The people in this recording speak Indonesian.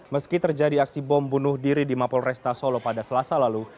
meski terjadi aksi bom bunuh diri di mapol resta solo pada selasa lalu